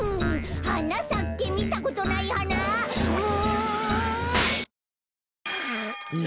「はなさけみたことないはな」